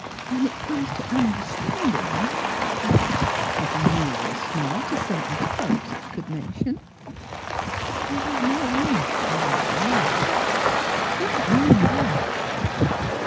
" When it comes to understanding, I guess I'm pretty near as smart as some other folks I could mention." " Oh, I know I'm not clever at all. Electa ; I didn't mean that."